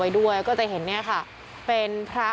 เป็นพระรูปนี้เหมือนเคี้ยวเหมือนกำลังทำปากขมิบท่องกระถาอะไรสักอย่าง